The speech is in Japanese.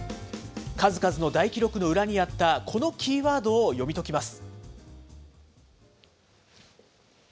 数々の大記録の裏にあったこのキーワードを読み解きます。